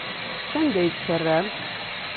Sanda ay tt-terram?